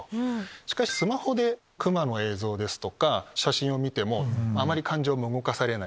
しかしスマホでクマの映像とか写真を見てもあまり感情が動かされない。